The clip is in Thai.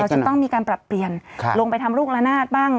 จะต้องมีการปรับเปลี่ยนลงไปทำลูกละนาดบ้าง